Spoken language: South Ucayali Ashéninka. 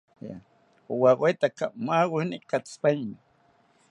Owawetaka maaweni katsipaini